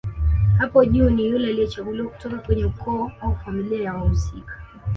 Hapo juu ni yule aliyechaguliwa kutoka kwenye ukoo au familia ya wahusika